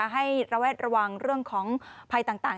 ระแวดระวังเรื่องของภัยต่าง